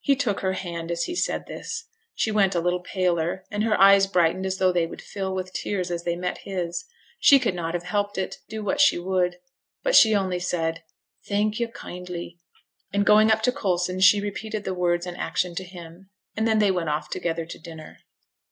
He took her hand as he said this. She went a little paler, and her eyes brightened as though they would fill with tears as they met his; she could not have helped it, do what she would. But she only said, 'Thank yo' kindly,' and going up to Coulson she repeated the words and action to him; and then they went off together to dinner.